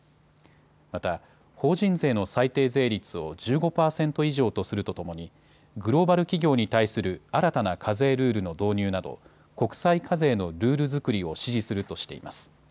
また法人税の最低税率を１５％以上とするとともにグローバル企業に対する新たな課税ルールの導入など国際課税のルール作りを支持するとしています。